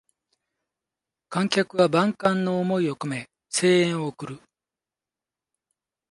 観客は万感の思いをこめ声援を送る